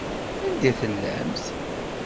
Anda i tellamt?